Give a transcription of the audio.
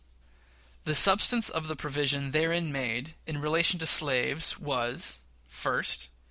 The substance of the provision therein made in relation to slaves was: First.